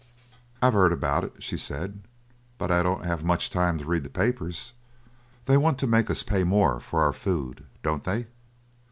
"I've 'eard about it," she said, "but I don't 'ave much time to read the papers. They want to make us pay more for our food, don't they?"